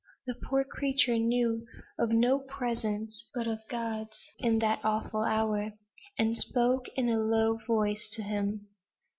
She, poor creature, knew of no presence but God's in that awful hour, and spoke in a low voice to Him.